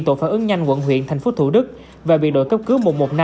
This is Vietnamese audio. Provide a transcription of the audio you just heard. tổ phản ứng nhanh quận huyện thành phố thủ đức và viện đội cấp cứu một trăm một mươi năm